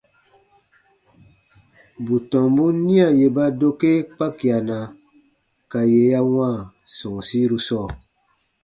Bù tɔmbun nia yè ba dokee kpakiana ka yè ya wãa sɔ̃ɔsiru sɔɔ.